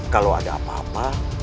kalau ada apa apa